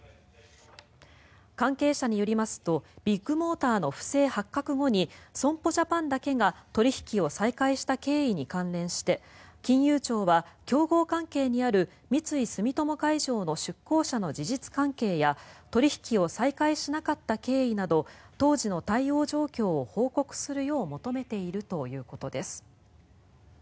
関係者によりますとビッグモーターの不正発覚後に損保ジャパンだけが取引を再開した経緯に関連して金融庁は競合関係にある三井住友海上の出向者の事実関係や取引を再開しなかった経緯など当時の対応状況を報告するよう求めているということです。